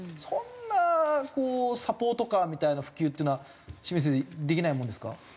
そんなこうサポートカーみたいな普及っていうのは清水先生できないものですか？